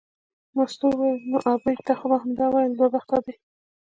مستو وویل نو ابۍ تا خو به همدا ویل دوه بخته دی.